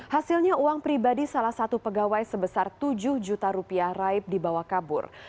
hasilnya uang pribadi salah satu pegawai sebesar tujuh juta rupiah raib dibawa kabur